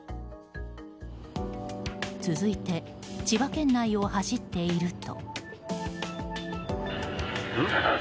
続いて千葉県内を走っていると。